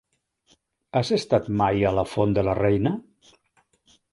Has estat mai a la Font de la Reina?